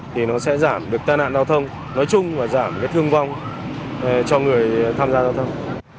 thì nó sẽ giảm được tai nạn giao thông nói chung và giảm cái thương vong cho người tham gia giao thông